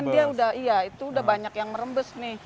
dia udah iya itu udah banyak yang merembes nih